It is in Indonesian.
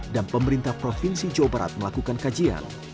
dan pemerintah provinsi jawa barat melakukan kajian